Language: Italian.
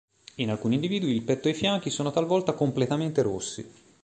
In alcuni individui, il petto e i fianchi sono talvolta completamente rossi.